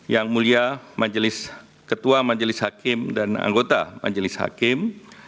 yang mulia ketua majelis hakim dan anggota majelis hakim